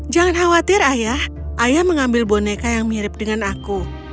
jangan khawatir ayah ayah mengambil boneka yang mirip dengan aku